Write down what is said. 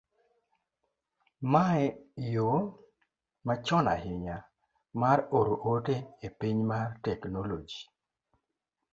mae e yo machon ahinya mar oro ote e piny mar teknoloji